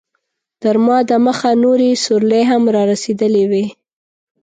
تر ما دمخه نورې سورلۍ هم رارسېدلې وې.